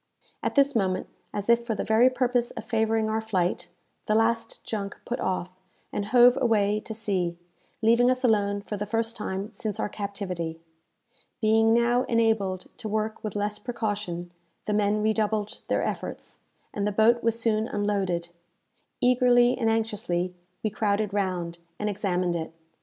At this moment, as if for the very purpose of favouring our flight, the last junk put off, and hove away to sea, leaving us alone for the first time since our captivity. Being now enabled to work with less precaution, the men redoubled their efforts, and the boat was soon unloaded. Eagerly and anxiously we crowded round, and examined it.